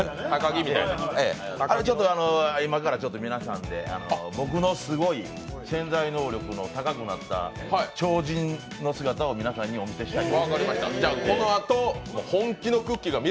今からちょっと皆さんで僕のすごい潜在能力の高くなった超人の姿を皆さんにお見せしたいと。